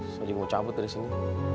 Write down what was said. saya juga mau cabut dari sini